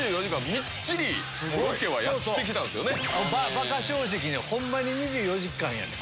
バカ正直にホンマに２４時間やねん。